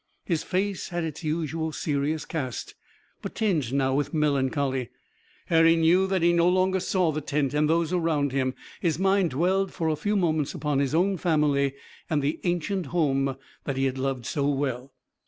His face had its usual serious cast, but tinged now with melancholy. Harry knew that he no longer saw the tent and those around him. His mind dwelled for a few moments upon his own family and the ancient home that he had loved so well.